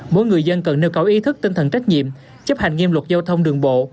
mỗi người dân cần nêu cao ý thức tinh thần trách nhiệm chấp hành nghiêm luật giao thông đường bộ